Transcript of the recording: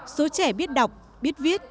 số trẻ biết đọc biết viết